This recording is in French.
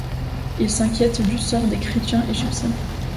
Il s’inquiète du sort des chrétiens égyptiens.